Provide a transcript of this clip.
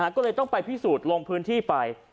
ก็เลยต้องไปพิสูจน์ลงพื้นที่ไป